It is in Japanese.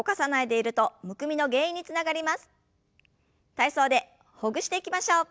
体操でほぐしていきましょう。